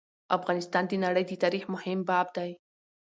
افغانستان د نړی د تاریخ مهم باب دی.